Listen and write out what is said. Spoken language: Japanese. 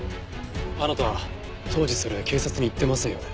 あなた当時それを警察に言ってませんよね？